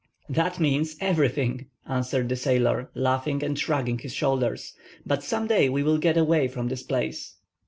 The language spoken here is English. "That means—everything," answered the sailor, laughing and shrugging his shoulders. "But some day we will get away from this place."